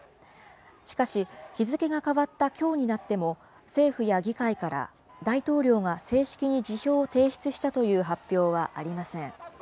しかし、日付が変わったきょうになっても、政府や議会から大統領が正式に辞表を提出したという発表はありません。